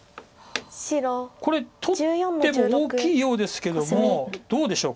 これ取っても大きいようですけどもどうでしょう。